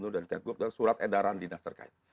dan surat edaran dinas terkait